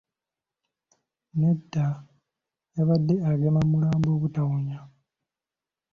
Nedda, yabadde agema mulambo butawunya.